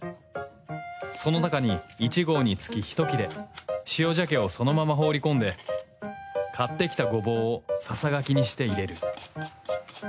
その中に１合につき１切れ塩鮭をそのまま放り込んで買ってきたゴボウをささがきにして入れる